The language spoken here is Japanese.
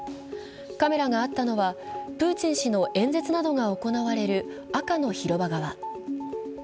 カメラがあったのはプーチン氏の演説などが行われる赤の広場側。